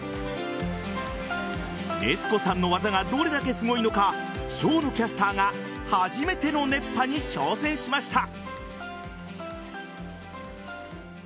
熱子さんの技がどれだけすごいのか生野キャスターが初めての熱波に挑戦しました。